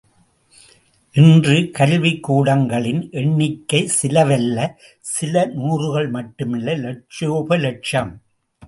இன்று கல்விக்கூடங்களின் எண்ணிக்கை சிலவல்ல, சில நூறுகள் மட்டுமல்ல, இலட்சோப இலட்சம்.